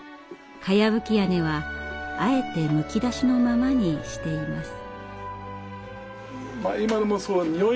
かやぶき屋根はあえてむき出しのままにしています。